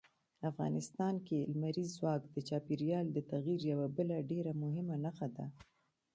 افغانستان کې لمریز ځواک د چاپېریال د تغیر یوه بله ډېره مهمه نښه ده.